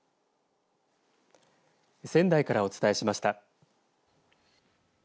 仙台からお伝えしました。